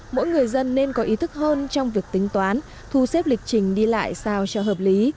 mỗi người dân nên có ý thức hơn trong việc tính toán thu xếp lịch trình đi lại sao cho hợp lý